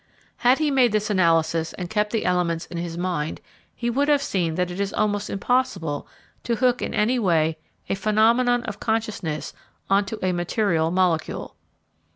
Had he made this analysis and kept the elements in his mind, he would have seen that it is almost impossible to hook in any way a phenomenon of consciousness on to a material molecule.